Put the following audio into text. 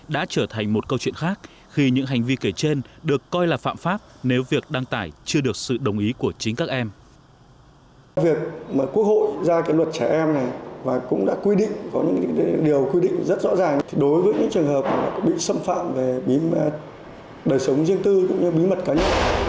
đối với những trường hợp bị xâm phạm về đời sống riêng tư cũng như bí mật cá nhân